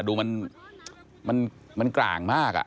ดูมันกลางมาก